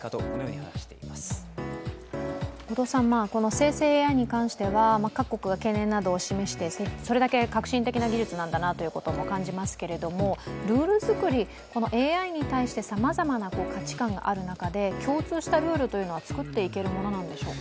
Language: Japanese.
生成ＡＩに関しては各国が懸念などを示してそれだけ革新的な技術なんだとも感じますけど、ルール作り、ＡＩに対してさまざまな価値観がある中で共通したルールは作っていけるものなんでしょうか？